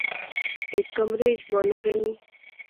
ہک کمرے اچ بانو رہنی